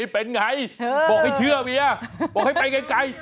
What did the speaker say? เป็นไงบอกให้เชื่อเมียบอกให้ไปไกล